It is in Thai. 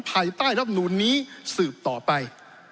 ภายใต้รับนูนนี้สืบต่อไป